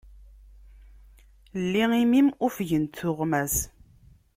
Lli imi-m, ufgent tuɣmas.